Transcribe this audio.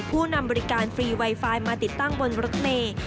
ผู้นำบริการฟรีไวไฟมาติดตั้งบนรถเมย์